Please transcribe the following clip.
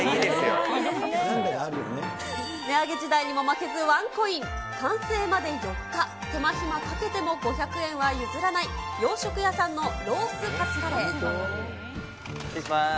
値上げ時代にも負けずワンコイン、完成まで４日、手間暇かけても５００円は譲らない、洋食屋さんのロースカツカレ失礼します。